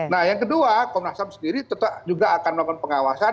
nah yang kedua komnas ham sendiri tetap juga akan melakukan pengawasan